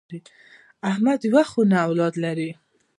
احمد یوه خونه اولاد لري.